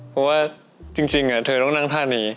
เพราะว่าจริงเธอต้องนั่งท่านี้